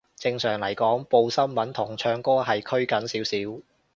正常嚟講，報新聞同唱歌係拘謹少少